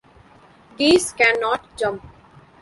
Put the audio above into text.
Geese can not jump.